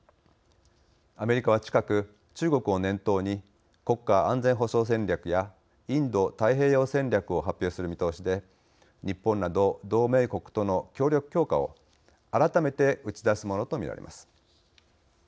アメリカは近く中国を念頭に国家安全保障戦略やインド太平洋戦略を発表する見通しで日本など同盟国との協力強化を改めて打ち出すものとみられます。